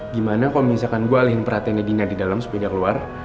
gimana kalo misalkan gue alihin perhatiannya dina di dalem supaya dia keluar